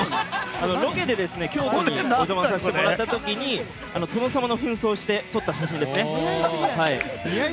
ロケで京都にお邪魔させてもらった時に殿様の扮装をして撮った写真ですね。